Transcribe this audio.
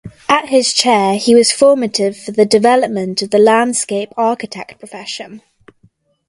At his chair he was formative for the development of the landscape architect profession.